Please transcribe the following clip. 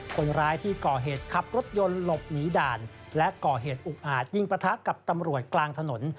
คนร้ายที่ก่อเหตุขับรถยนต์หลบหนีด่านและก่อเหตุอุกอาจยิงประทะกับตำรวจกลางถนน